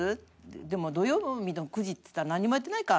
「でも土曜日の９時っつったらなんにもやってないか」。